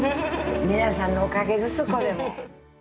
皆さんのおかげですこれも。